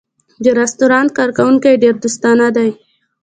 د رستورانت کارکوونکی ډېر دوستانه دی.